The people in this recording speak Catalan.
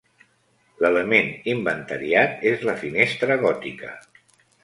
L'element inventariat és la finestra gòtica.